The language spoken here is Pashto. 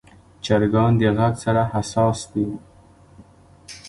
چرګان د غږ سره حساس دي.